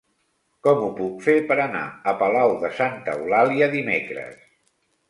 Com ho puc fer per anar a Palau de Santa Eulàlia dimecres?